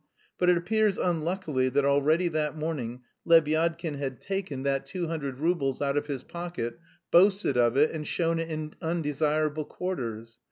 But it appears unluckily that already that morning Lebyadkin had taken that two hundred roubles out of his pocket, boasted of it and shown it in undesirable quarters.